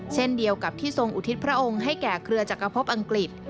เช่นเดียวกับที่ทรงอุทิศพระองค์ให้แก่เครือจักรพบอังกฤษ